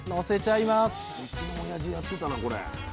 うちのおやじやってたなこれ。